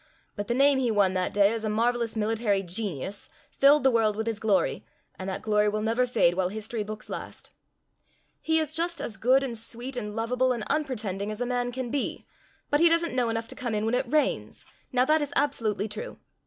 But the name he won that day as a marvelous military genius filled the world with his glory, and that glory will never fade while history books last. He is just as good and sweet and lovable and unpretending as a man can be, but he doesn't know enough to come in when it rains. Now that is absolutely true.